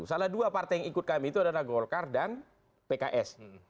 salah dua partai yang ikut kami itu adalah golkar dan pks